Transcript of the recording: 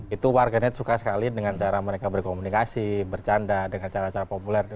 itu warganet suka sekali dengan cara mereka berkomunikasi bercanda dengan cara cara populer